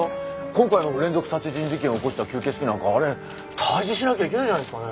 今回の連続殺人事件を起こした吸血鬼なんかあれ退治しなきゃいけないんじゃないですかね？